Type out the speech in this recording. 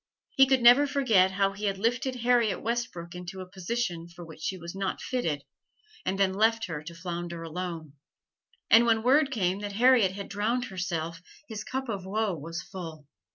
He could never forget how he had lifted Harriet Westbrook into a position for which she was not fitted and then left her to flounder alone. And when word came that Harriet had drowned herself, his cup of woe was full.